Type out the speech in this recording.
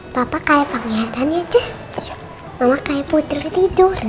mama kayak putri tidur